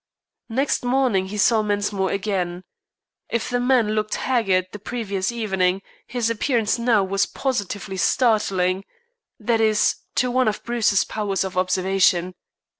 Next morning he saw Mensmore again. If the man looked haggard the previous evening his appearance now was positively startling, that is, to one of Bruce's powers of observation.